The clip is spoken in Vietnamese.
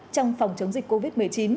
trong phòng chống dịch covid một mươi chín